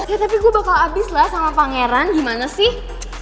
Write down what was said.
ya tapi gue bakal habis lah sama pangeran gimana sih